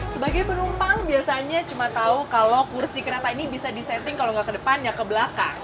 sebagai penumpang biasanya cuma tahu kalau kursi kereta ini bisa disetting kalau nggak ke depan ya ke belakang